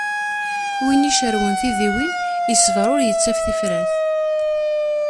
Win icerwen tidiwin, yeṣber ur yettaf tifrat.